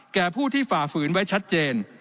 แก่ผู้ที่ฝ่าฝืนไว้ชัดเจน